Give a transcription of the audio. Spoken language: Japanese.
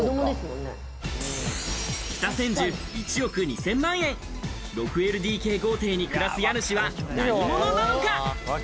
北千住１億２０００万円、６ＬＤＫ豪邸に暮らす家主は何者なのか？